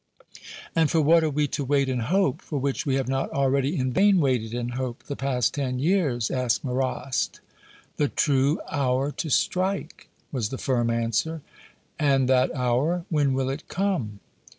'" "And for what are we to wait and hope, for which we have not already in vain waited and hoped the past ten years?" asked Marrast. "The true hour to strike!" was the firm answer. "And that hour, when will it come?"